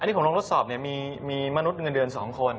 อันนี้ผมลงทดสอบมีมนุษย์เงินเดือน๒คน